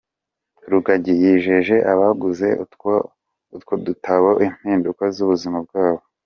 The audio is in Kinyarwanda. Rugagi yijeje abaguze utwo dutabo impinduka z’ubuzima bwabo.